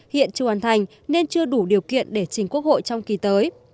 hiện chưa hoàn thành nên chưa đủ điều kiện để chính quốc hội trong kỳ tới